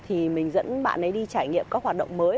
thì mình dẫn bạn ấy đi trải nghiệm các hoạt động mới